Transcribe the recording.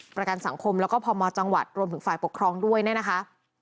ประกันสังคมแล้วก็พมจังหวัดรวมถึงฝ่ายปกครองด้วยเนี่ยนะคะ